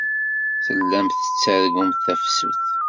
Tellamt tettargumt tafsut.